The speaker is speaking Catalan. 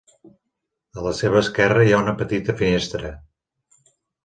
A la seva esquerra hi ha una petita finestra.